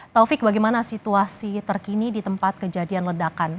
taufik bagaimana situasi terkini di tempat kejadian ledakan